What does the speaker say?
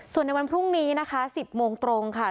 ส่วนในวันพรุ่งนี้สิบโมงตรงนะคะ